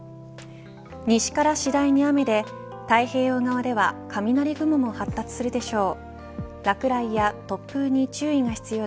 西から次第に雨で太平洋側では雷雲も発達するでしょう。